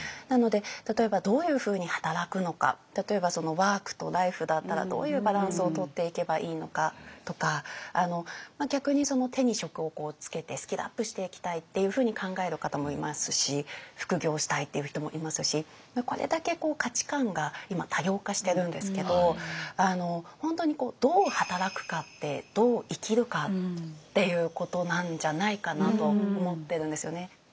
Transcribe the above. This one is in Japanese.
なので例えばどういうふうに働くのか例えばワークとライフだったらどういうバランスをとっていけばいいのかとか逆に手に職をつけてスキルアップしていきたいっていうふうに考える方もいますし副業したいっていう人もいますしこれだけ価値観が今多様化してるんですけど本当にどう働くかってどう生きるかっていうことなんじゃないかなと思ってるんですよね。